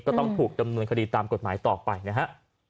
ต้องถูกดำเนินคดีตามกฎหมายต่อไปนะฮะ